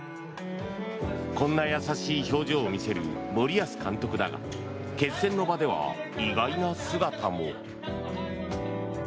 こんな優しい表情を見せる森保監督だが決戦の場では意外な姿も。